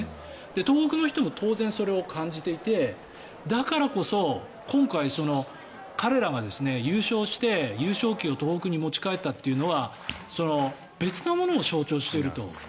東北の人も当然それを感じていてだからこそ今回彼らが優勝して優勝旗を東北に持ち帰ったというのは別なものを象徴していると。